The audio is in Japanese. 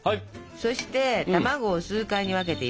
そして卵を数回に分けて入れていく。